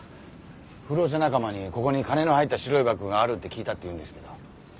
浮浪者仲間にここに金の入った白いバッグがあるって聞いたっていうんですけど。